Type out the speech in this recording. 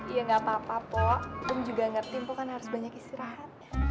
iya gak apa apa pok rum juga ngerti mpok kan harus banyak istirahat